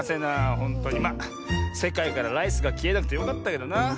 ほんとにまあせかいからライスがきえなくてよかったけどな。